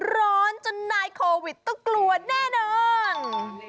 ร้อนจนนายโควิดต้องกลัวแน่นอน